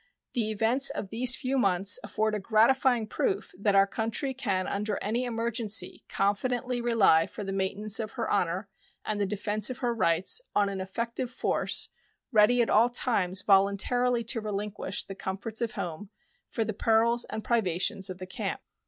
The events of these few months afford a gratifying proof that our country can under any emergency confidently rely for the maintenance of her honor and the defense of her rights on an effective force, ready at all times voluntarily to relinquish the comforts of home for the perils and privations of the camp.